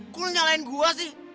kok lo nyalain gue sih